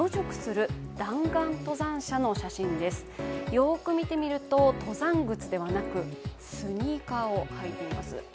よく見てみると登山靴ではなくスニーカーを履いています。